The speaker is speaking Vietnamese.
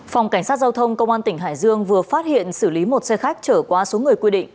phòng cảnh sát giao thông công an tỉnh hải dương vừa phát hiện xử lý một xe khách trở qua số người quy định